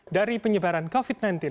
dari penyebaran covid sembilan belas